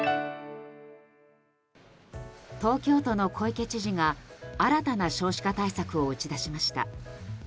東京都の小池知事が新たな少子化対策を打ち出しました。